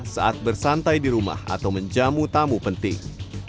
saat bersantai di rumah atau menjamu tamu penting